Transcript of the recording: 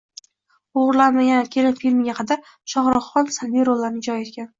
“O‘g‘irlanmagan kelin” filmiga qadar Shohrux Xon salbiy rollarni ijro etgan